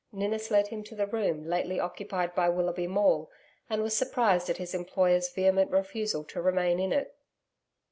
Ninnis led him to the room lately occupied by Willoughby Maule, and was surprised at his employer's vehement refusal to remain in it.